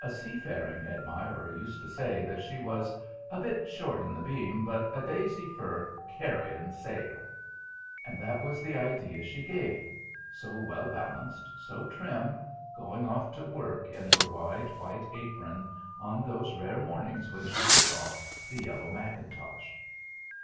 A sea faring admirer used to say that she was "a bit short in the beam, but a daisy fur carryin' sail"; and that was the idea she gave: so well balanced, so trim, going off to work in her wide white apron on those rare mornings when she shook off the yellow mackintosh.